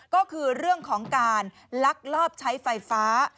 ก็คือเรื่องของการลักลอบใช้ไฟฟ้า